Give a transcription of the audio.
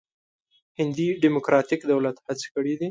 هندي ډموکراتیک دولت هڅې کړې.